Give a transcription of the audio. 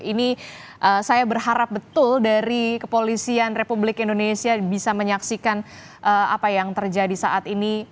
ini saya berharap betul dari kepolisian republik indonesia bisa menyaksikan apa yang terjadi saat ini